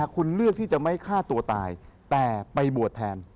คุณเลือกที่จะไม่ฆ่าตัวตายแต่ไปบวชแทน